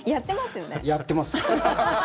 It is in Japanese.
やってます。